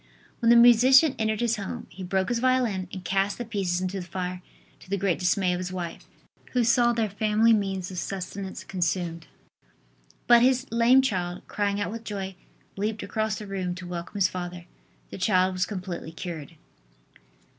When the musician entered his home, he broke his violin and cast the pieces into the fire, to the great dismay of his wife, who saw their family means of sustenance consumed. But his lame child, crying out with joy, leaped across the room to welcome his father. The child was completely cured.